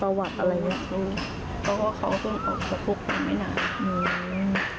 เพราะว่าเขาก็ออกไปพูดกันไม่นาน